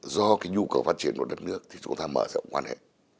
do cái nhu cầu phát triển của đất nước thì chúng ta mở rộng quan hệ